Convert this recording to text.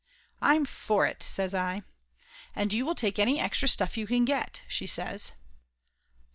"I'm for it!" says I. "And you will take any extra stuff you can get," she says.